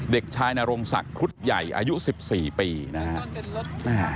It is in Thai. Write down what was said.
เด็กชายนรงศักดิ์ครุฑใหญ่อายุ๑๔ปีนะฮะ